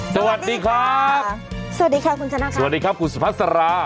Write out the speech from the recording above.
สวัสดีครับสวัสดีค่ะคุณชนะค่ะสวัสดีครับคุณสุพัสรา